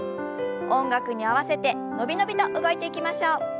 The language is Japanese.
音楽に合わせて伸び伸びと動いていきましょう。